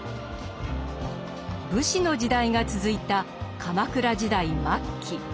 武士の時代が続いた鎌倉時代末期。